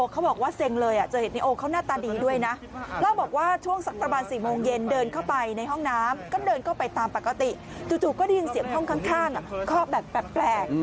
ก็ได้ยินเสียงห้องข้างข้อแบบแปลก